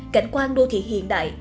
cảnh quan đô thị hiện đại